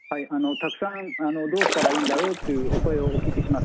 たくさんどうしたらいいんだろうというお声をお聞きします。